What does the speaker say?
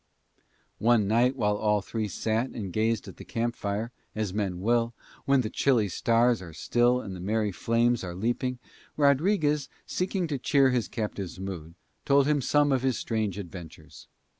One night while all three sat and gazed at the camp fire as men will, when the chilly stars are still and the merry flames are leaping, Rodriguez, seeking to cheer his captive's mood, told him some of his strange adventures.